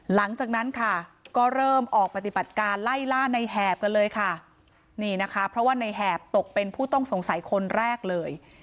หลังจากนั้นค่ะก็เริ่มออกปฏิบัติการไล่ล่าในแหบกันเลยค่ะนี่นะคะเพราะว่าในแหบตกเป็นผู้ต้องสงสัยคนแรกเลย